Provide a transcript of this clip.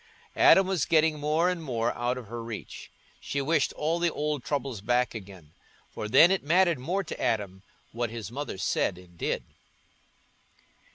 Adam was getting more and more out of her reach; she wished all the old troubles back again, for then it mattered more to Adam what his mother said and did.